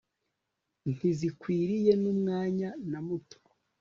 ntizikwiriye numwanya na muto